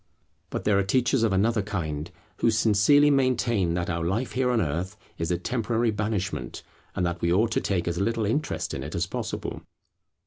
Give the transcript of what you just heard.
But there are teachers of another kind, who sincerely maintain that our life here on earth is a temporary banishment, and that we ought to take as little interest in it as possible.